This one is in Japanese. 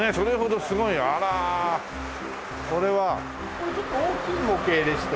これちょっと大きい模型でして。